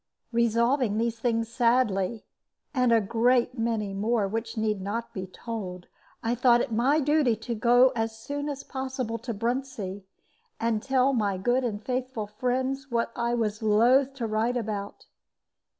Revolving these things sadly, and a great many more which need not be told, I thought it my duty to go as soon as possible to Bruntsea, and tell my good and faithful friends what I was loath to write about.